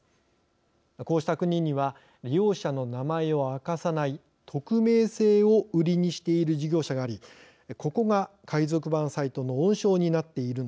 こうした国には利用者の名前を明かさない匿名性を売りにしている事業者がありここが海賊版サイトの温床になっているのです。